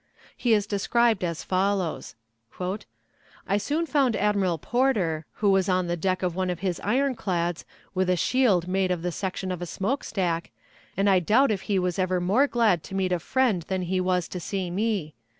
He is described as follows: "I soon found Admiral Porter, who was on the deck of one of his ironclads, with a shield made of the section of a smoke stack, and I doubt if he was ever more glad to meet a friend than he was to see me.